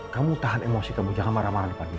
kamu tahan emosi kamu jangan marah marah depan dia ya